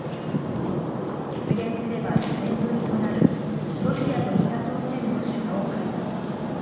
実現すれば４年ぶりとなるロシアと北朝鮮の首脳会談。